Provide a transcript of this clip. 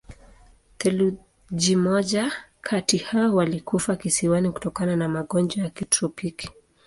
Theluji moja kati hao walikufa kisiwani kutokana na magonjwa ya kitropiki.